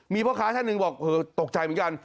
มีพ่อค้าท่านหนึ่งบอกตกใจเหมือนกัน